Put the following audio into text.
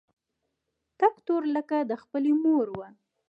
تک تور لکه د خپلې مور و.